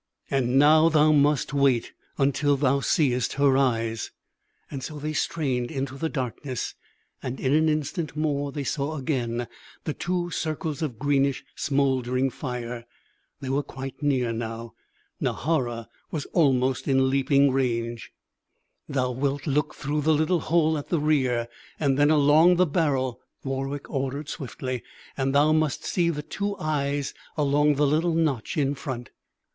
"And now thou must wait until thou seest her eyes." So they strained into the darkness; and in an instant more they saw again the two circles of greenish, smouldering fire. They were quite near now Nahara was almost in leaping range. "Thou wilt look through the little hole at the rear and then along the barrel," Warwick ordered swiftly, "and thou must see the two eyes along the little notch in front."